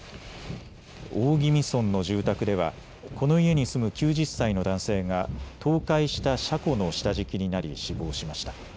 大宜味村の住宅ではこの家に住む９０歳の男性が倒壊した車庫の下敷きになり死亡しました。